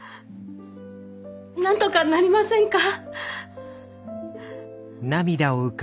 なんとかなりませんか？